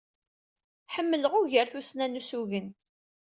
Ḥemmleɣ ugar tussna n ussugen.